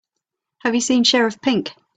Have you seen Sheriff Pink?